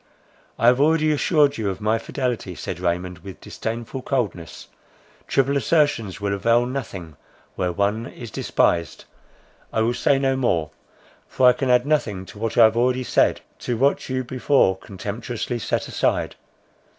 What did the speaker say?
"I have already assured you of my fidelity," said Raymond with disdainful coldness, "triple assertions will avail nothing where one is despised. I will say no more; for I can add nothing to what I have already said, to what you before contemptuously set aside.